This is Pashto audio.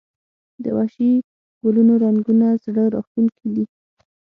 د وحشي ګلونو رنګونه زړه راښکونکي دي